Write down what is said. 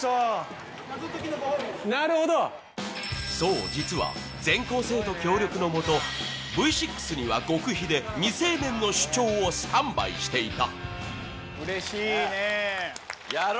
そう、実は全校生徒協力のもとＶ６には極秘で「未成年の主張」をスタンバイしていた。